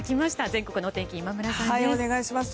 全国の天気、今村さんです。